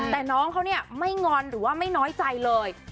แต่น้องเขาเนี่ยไม่งอนหรือว่าไม่น้อยใจเลย